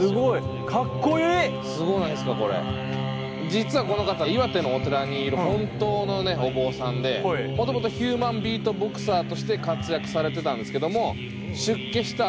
実はこの方岩手のお寺にいる本当のお坊さんでもともとヒューマンビートボクサーとして活躍されてたんですけども出家した